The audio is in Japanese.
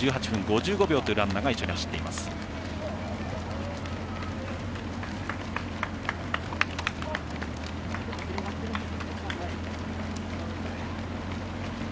自己ベスト２時間１８分５２秒というランナーが一緒に走っています。